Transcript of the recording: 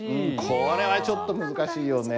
これはちょっと難しいよね。